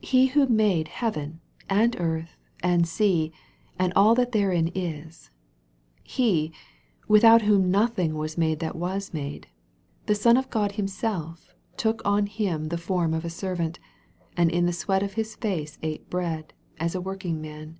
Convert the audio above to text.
He who made heaven, and earth, and sea, and all that therein is He, without whom nothing was made that was made the Son of God Himself, took on Him the form of a servant, and " in the sweat of His face ate bread," as a working man.